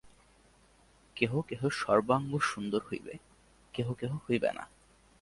কেহ কেহ সর্বাঙ্গসুন্দর হইবে, কেহ কেহ হইবে না।